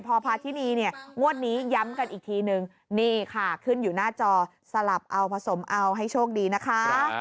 พอพาทินีเนี่ยงวดนี้ย้ำกันอีกทีนึงนี่ค่ะขึ้นอยู่หน้าจอสลับเอาผสมเอาให้โชคดีนะคะ